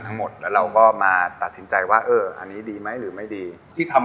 ทางการทำแต่ละซอสมันเกิดจากอะไรขับ